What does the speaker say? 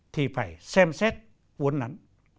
thì phải xem xét uốn nắn